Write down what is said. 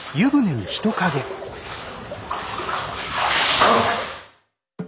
あっ！